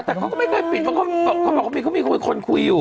แต่เขาก็ไม่เคยปิดเขาบอกเขามีคนคุยอยู่